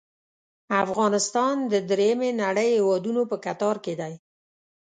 افغانستان د دریمې نړۍ هیوادونو په کتار کې دی.